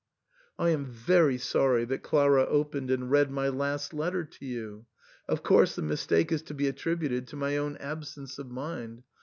I am very sorry that Clara opened and read my last letter to you ; of course the mistake is to be attributed to my own absence of mind.